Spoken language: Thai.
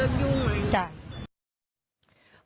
ก็เลยอยากเลิกยุ่ง